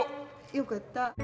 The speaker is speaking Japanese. よかった。